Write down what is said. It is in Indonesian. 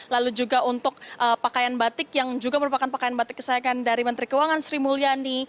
lalu juga untuk pakaian batik yang juga merupakan pakaian batik kesayangan dari menteri keuangan sri mulyani